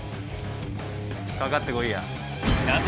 かかってこいや。